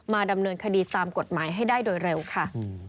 ดำเนินคดีตามกฎหมายให้ได้โดยเร็วค่ะ